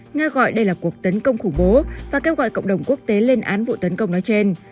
nga gọi đây là cuộc tấn công khủng bố và kêu gọi cộng đồng quốc tế lên án vụ tấn công nói trên